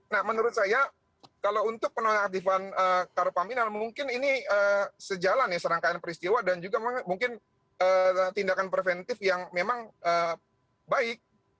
nah menurut saya kalau untuk penonaktifan karopaminal mungkin ini sejalan ya serangkaian peristiwa dan juga mungkin tindakan preventif yang memang baik